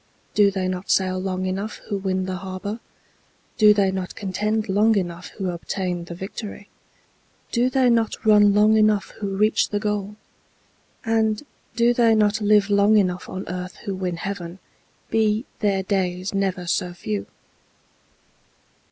Do they not sail long enough who win the harbor? Do they not contend long enough who obtain the victory? Do they not run long enough who reach the goal? And do they not live long enough on earth who win heaven, be their days never so few?